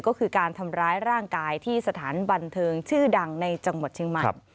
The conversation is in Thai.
ก็คือการทำร้ายร่างกายที่สถานบันเทิงชื่อดังในจังหวัดเชียงใหม่